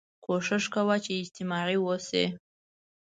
کوښښ کوه چې اجتماعي واوسې